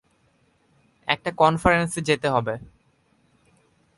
একটা কনফারেন্সে যেতে হবে।